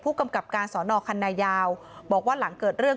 ผู้กำกับการศนคัณะยาวบอกว่าหลังเกิดเรื่อง